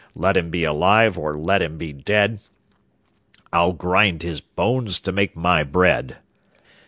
Let him be alive or let him be dead, I'll grind his bones to make my bread.